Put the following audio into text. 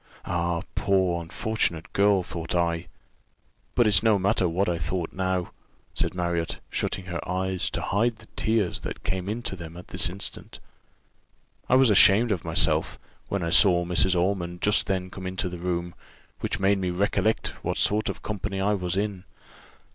Ah! poor unfortunate girl, thought I but it's no matter what I thought now," said Marriott, shutting her eyes, to hide the tears that came into them at this instant; "I was ashamed of myself, when I saw Mrs. Ormond just then come into the room, which made me recollect what sort of company I was in.